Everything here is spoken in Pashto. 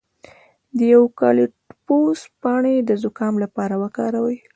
د یوکالیپټوس پاڼې د زکام لپاره وکاروئ